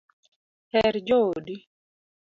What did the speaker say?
Her joodi